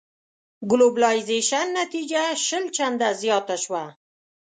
ګلوبلایزېشن نتيجه شل چنده زياته شوه.